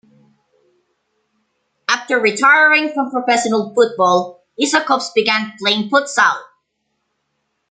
After retiring from professional football Isakovs began playing futsal.